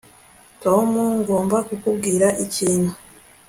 tom, ngomba kukubwira ikintu